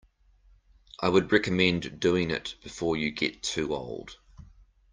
I would recommend doing it before you get too old.